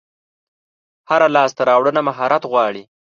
هره لاسته راوړنه مهارت غواړي.